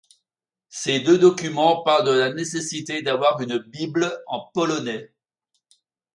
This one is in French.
Ces deux documents parlent de la nécessité d'avoir une Bible en polonais.